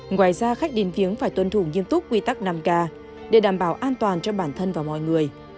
ngoài ra khách đến viếng phải tuân thủ nghiêm túc quy tắc năm k để đảm bảo an toàn cho bản thân và mọi người